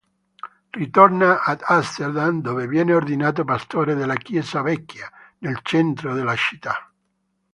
Ritorna ad Amsterdam dove viene ordinato pastore della Chiesa Vecchia, nel centro della città.